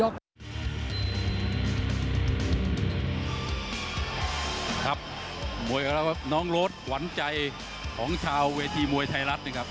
ครับมวยของเราครับน้องโรดขวัญใจของชาวเวทีมวยไทยรัฐนะครับ